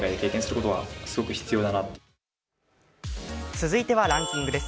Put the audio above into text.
続いてはランキングです。